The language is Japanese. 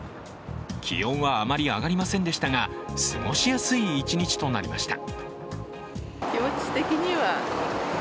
気温はあまり上がりませんでしたが過ごしやすい一日となりました。